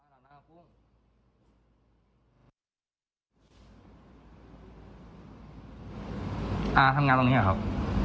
ทำงานตรงนี้เหรอครับ